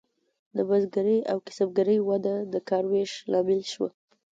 د بزګرۍ او کسبګرۍ وده د کار ویش لامل شوه.